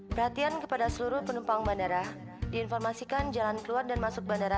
perhatian kepada seluruh penumpang bandara diinformasikan jalan keluar dan masuk bandara